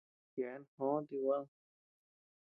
Yeabean jò ti guad.